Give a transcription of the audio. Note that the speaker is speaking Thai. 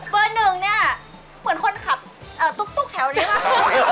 หนึ่งเนี่ยเหมือนคนขับตุ๊กแถวนี้มาก